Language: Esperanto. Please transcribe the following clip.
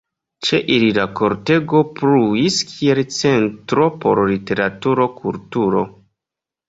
Ĉe ili la kortego pluis kiel centro por literatura kulturo.